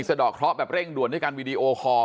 สะดอกเคราะห์แบบเร่งด่วนให้กันวีดีโอคอ